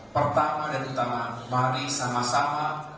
pertama dan utama mari sama sama